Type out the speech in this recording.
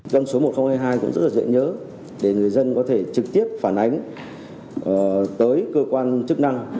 dân số một nghìn hai mươi hai cũng rất là dễ nhớ để người dân có thể trực tiếp phản ánh tới cơ quan chức năng